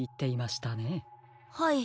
はい。